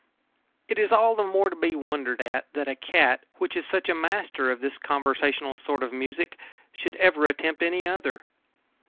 It is all the more to be wondered at that a cat, which is such a master of this conversational sort of music, should ever attempt any other.